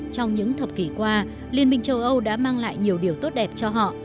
trong những thập kỷ qua liên minh châu âu đã mang lại nhiều điều tốt đẹp cho họ